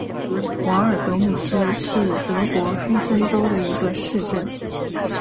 瓦尔德姆斯是德国黑森州的一个市镇。